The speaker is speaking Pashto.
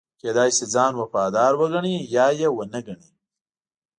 کېدای شي ځان وفادار وګڼي یا یې ونه ګڼي.